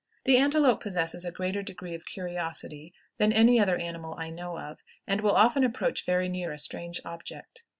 The antelope possesses a greater degree of curiosity than any other animal I know of, and will often approach very near a strange object.